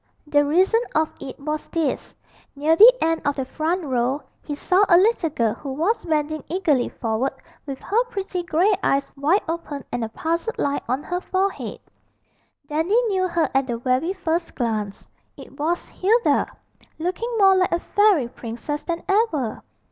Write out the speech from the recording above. The reason of it was this: near the end of the front row he saw a little girl who was bending eagerly forward with her pretty grey eyes wide open and a puzzled line on her forehead. Dandy knew her at the very first glance. It was Hilda, looking more like a fairy princess than ever.